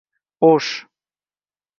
O'sh